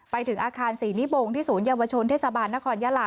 ไปถึงอาคารศรีนิบงที่ศูนยวชนเทศบาลนครยาลา